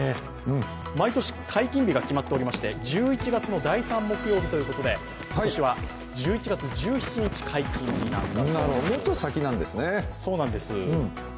毎年解禁日が決まっておりまして１１月の第３木曜日ということで今年は１１月１７日に解禁になるんだそうです。